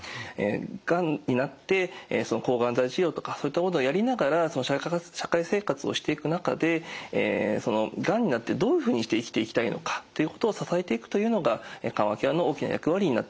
がんになって抗がん剤治療とかそういったものをやりながら社会生活をしていく中でがんになってどういうふうにして生きていきたいのかっていうことを支えていくというのが緩和ケアの大きな役割になってきています。